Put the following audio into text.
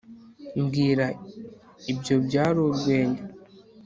mbwira ibyo byari urwenya